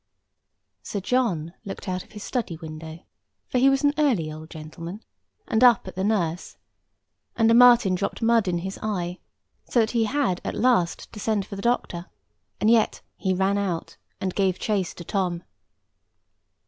Sir John looked out of his study window (for he was an early old gentleman) and up at the nurse, and a marten dropped mud in his eye, so that he had at last to send for the doctor; and yet he ran out, and gave chase to Tom.